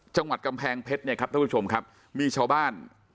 จังหวัดกำแพงเพชรเนี่ยครับท่านผู้ชมครับมีชาวบ้าน